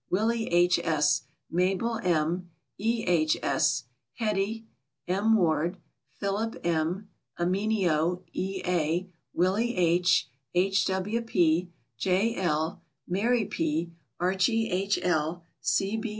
Willie H. S., Mabel M., E. H. S., Hetty, M. Ward, Philip M., Amenio E. A., Willy H., H. W. P., J. L., Mary P., Archie H. L.